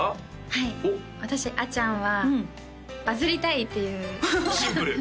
はい私あちゃんはバズりたいっていうシンプル！